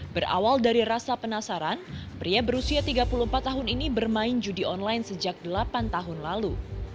berawal dari rasa penasaran pria berusia tiga puluh empat tahun ini bermain judi online sejak delapan tahun lalu